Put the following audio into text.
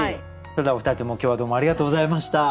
それではお二人とも今日はどうもありがとうございました。